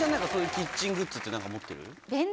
キッチングッズって何か持ってる？